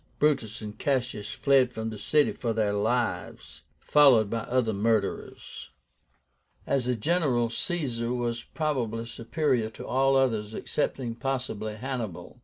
Brutus and Cassius fled from the city for their lives, followed by the other murderers. As a general Caesar was probably superior to all others, excepting possibly Hannibal.